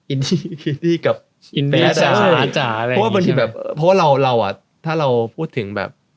อินดีคิดดี้กับแฟสอะไรแบบนี้เพราะว่าเราอ่ะถ้าเราพูดถึงแบบ